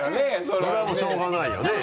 そうはもうしょうがないよね。